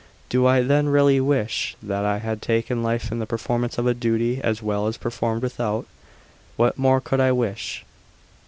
Do I then really wish that I had taken life in the performance of a duty as well performed without? What more could I wish?